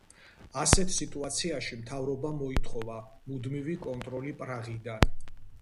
ასეთ სიტუაციაში მთავრობამ მოითხოვა მუდმივი კონტროლი პრაღიდან.